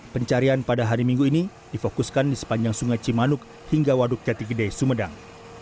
pencarian pada hari minggu ini difokuskan di sepanjang sungai cimanuk hingga waduk jati gede sumedang